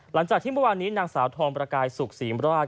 หลังจากที่เมื่อวานนี้นางสาวทองประกายสุขศรีมราช